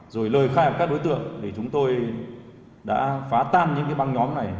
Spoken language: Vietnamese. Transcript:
rồi lời khai hợp các đối tượng thì chúng tôi đã phá tan những băng nhóm này